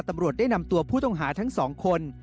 ตำรวจได้นำตัวผู้ต้องหาทั้งสองคน